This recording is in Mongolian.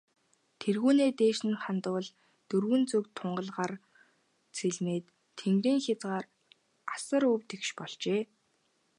Тэргүүнээ дээш хандвал, дөрвөн зүг тунгалгаар цэлмээд, тэнгэрийн хязгаар асар өв тэгш болжээ.